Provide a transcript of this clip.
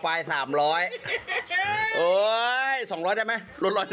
ว่าต่อจะได้สัก๑๐๐